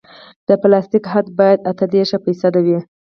د پلاستیک حد باید اته دېرش فیصده وي